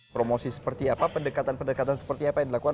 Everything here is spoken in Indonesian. promosi seperti apa pendekatan pendekatan seperti apa yang dilakukan